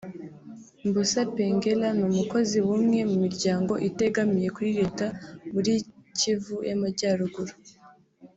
Mbusa Pengela ni umukozi w’umwe mu miryango itegamiye kuri Leta muri Kivu y’amajyaruguru